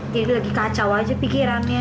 jadi lagi kacau aja pikirannya